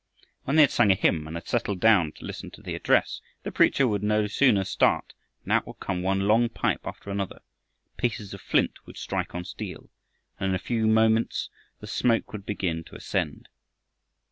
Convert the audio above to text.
When they had sung a hymn and had settled down to listen to the address, the preacher would no sooner start than out would come one long pipe after another, pieces of flint would strike on steel, and in a few minutes the smoke would begin to ascend.